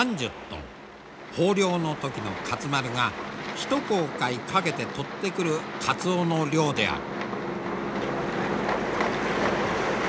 豊漁の時の勝丸が一航海かけて取ってくるカツオの量である。